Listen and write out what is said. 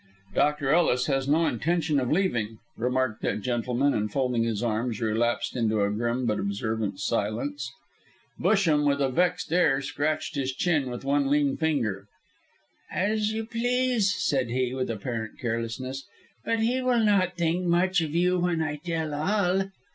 "Dr. Ellis has no intention of leaving," remarked that gentleman, and folding his arms relapsed into a grim but observant silence. Busham, with a vexed air, scratched his chin with one lean finger. "As you please," said he, with apparent carelessness, "but he will not think much of you when I tell all."